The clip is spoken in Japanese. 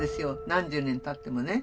何十年たってもね。